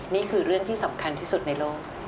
นี่คือเรื่องที่สำคัญที่สุดในโลก